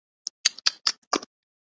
تو ہم کس چیز پہ احتجاج کر رہے ہیں؟